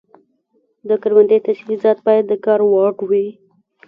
د کروندې تجهیزات باید د کار وړ وي.